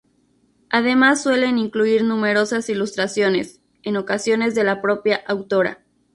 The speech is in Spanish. Además suelen incluir numerosas ilustraciones, en ocasiones de la propia autora.